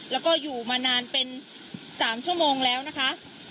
แล้วก็อยู่มานานเป็น๓ชั่วโมงแล้วนะคะ